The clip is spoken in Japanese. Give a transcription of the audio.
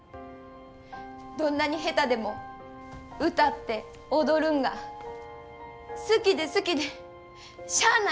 どんなに下手でも歌って踊るんが好きで好きでしゃあないねん。